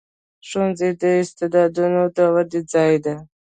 ښوونځی د استعدادونو د ودې ځای دی.